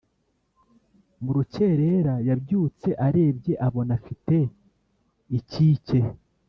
murukerera yabyutse arebye abona afite ikike